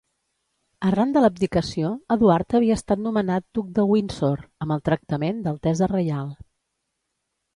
Arran de l'abdicació, Eduard havia estat nomenat duc de Windsor amb el tractament d'altesa reial.